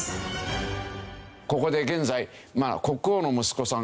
ここで現在国王の息子さん